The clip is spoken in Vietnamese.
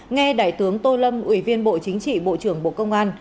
nghe đại tướng tô lâm ủy viên bộ chính trị bộ trưởng bộ công an